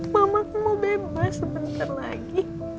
mama mau bebas sebentar lagi